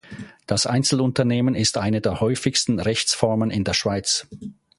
Das Einzelunternehmen ist eine der häufigsten Rechtsformen in der Schweiz.